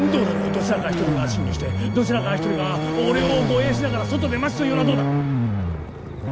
どちらか一人が侵入してどちらか一人が俺を護衛しながら外で待つというのはどうだ？